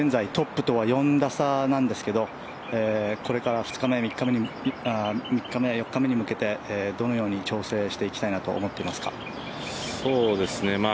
現在トップとは４打差なんですけどこれから３日目、４日目に向けてどのように調整していこうと思っていますか？